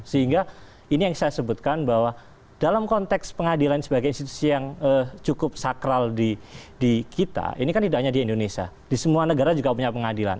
sehingga ini yang saya sebutkan bahwa dalam konteks pengadilan sebagai institusi yang cukup sakral di kita ini kan tidak hanya di indonesia di semua negara juga punya pengadilan